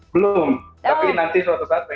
belum tapi nanti suatu saat